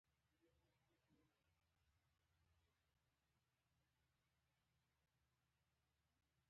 هغه قوانین چې ټولنه پرې اداره کېده تصویب کړل